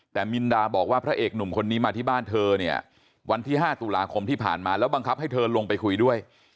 แต่มินดาบอกว่าพระเอกหนุ่มคนนี้มาที่บ้านเธอเนี่ยวันที่๕ตุลาคมที่ผ่านมาแล้วบังคับให้เธอลงไปคุยด้วย